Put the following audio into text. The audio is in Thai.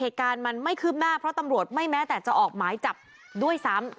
เหตุการณ์มันไม่คืบหน้าเพราะตำรวจไม่แม้แต่จะออกหมายจับด้วยซ้ำ